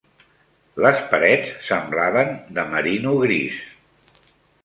Les parets semblaven de merino gris